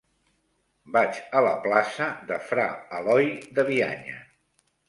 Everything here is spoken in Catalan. Vaig a la plaça de Fra Eloi de Bianya.